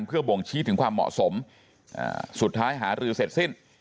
เพื่อบ่งชี้ถึงความเหมาะสมสุดท้ายหารือเสร็จสิ้น